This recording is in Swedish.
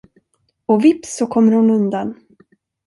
Och vips så kommer hon undan!